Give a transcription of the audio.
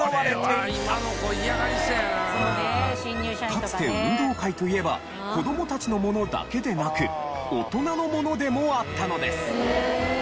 かつて運動会といえば子供たちのものだけでなく大人のものでもあったのです。